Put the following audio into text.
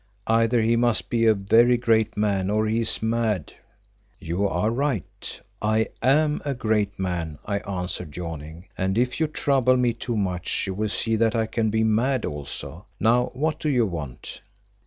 Either he must be a very great man or he is mad." "You are right. I am a great man," I answered, yawning, "and if you trouble me too much you will see that I can be mad also. Now what do you want?"